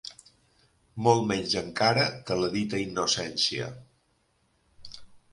Molt menys encara que la dita innocència.